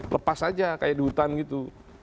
lepas aja kayak di hutan gitu